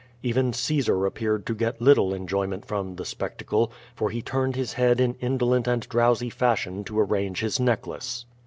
Even Caesar appeared to get little enjoyment from the spectacle, for he turned his head in indolent and drowsy fashion to arrange his necklace.